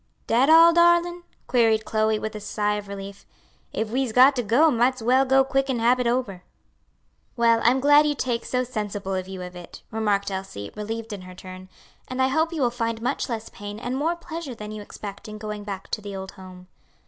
"Dat all, darlin'?" queried Chloe, with a sigh of relief, "if we's got to go, might's well go quick an' hab it ober." "Well, I'm glad you take so sensible a view of it," remarked Elsie, relieved in her turn; "and I hope you will find much less pain and more pleasure than you expect in going back to the old home."